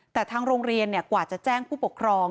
แต่ทางโรงเรียนกว่าจะแจ้งผู้ปกครอง